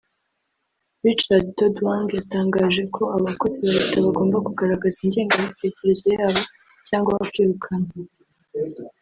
Richard Todwong yatangaje ko abakozi ba leta bagomba kugaragaza ingenga bitekerezo yabo cyangwa bakirukanwa